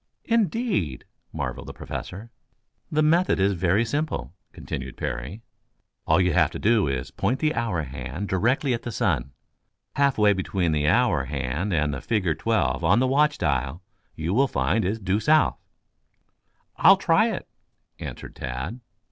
"Indeed?" marveled the Professor. "The method is very simple," continued Parry. "All you have to do is to point the hour hand directly at the sun. Half way between the hour hand and the figure twelve on the watch dial you will find is due south." "I'll try it," answered Tad.